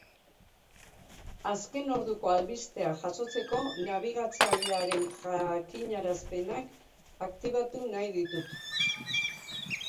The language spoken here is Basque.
Azken orduko albisteak jasotzeko nabigatzailearen jakinarazpenak aktibatu nahi ditut.